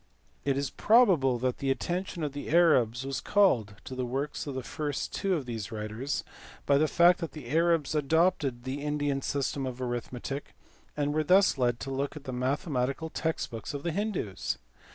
It is probable that the attention of the Arabs was called to the works of the first two of these writers by the fact that the Arabs adopted the Indian system of arithmetic, and were thus led to look at the mathematical text books of the Hindoos.